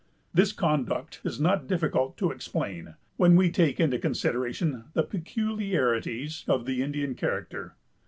This conduct is not difficult to explain, when we take into consideration the peculiarities of the Indian character.